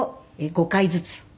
５回ずつ？